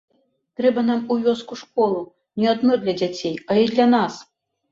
Трэба нам у вёску школу не адно для дзяцей, а і для нас.